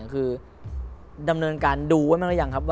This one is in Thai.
คือดำเนินการดูไว้มั้ยหรืออย่างครับ